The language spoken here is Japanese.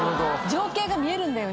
情景が見えるんだよね